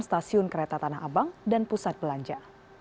stasiun kereta tanah abang dan pusat belanja